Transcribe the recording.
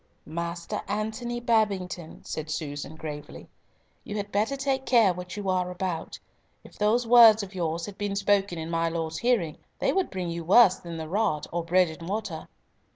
"Master Antony Babington," said Susan gravely, "you had better take care what you are about. If those words of yours had been spoken in my Lord's hearing, they would bring you worse than the rod or bread and water."